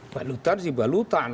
balutan sih balutan